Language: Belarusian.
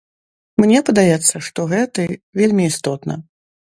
Мне падаецца, што гэты вельмі істотна.